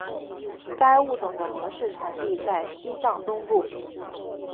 该物种的模式产地在西藏东部。